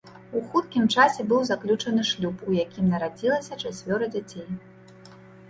У хуткім часе быў заключаны шлюб, у якім нарадзілася чацвёра дзяцей.